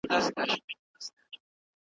لویی وني دي ولاړي شنه واښه دي ,